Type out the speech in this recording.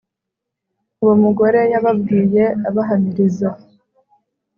uwo mugore yababwiye abahamiriza